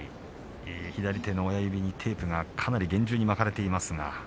左手の親指にテープが厳重に巻かれています。